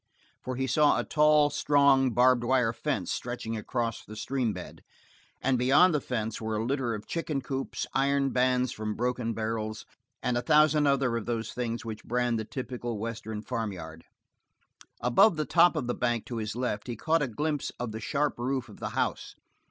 For he saw a tall, strong barbed wire fence stretching across the stream bed, and beyond the fence were a litter of chicken coops, iron bands from broken barrels, and a thousand other of those things which brand the typical western farm yard; above the top of the bank to his left he caught a glimpse of the sharp roof of the house.